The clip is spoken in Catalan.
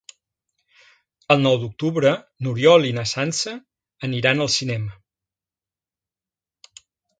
El nou d'octubre n'Oriol i na Sança aniran al cinema.